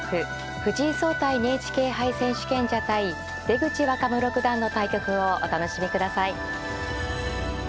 藤井聡太ＮＨＫ杯選手権者対出口若武六段の対局をお楽しみください。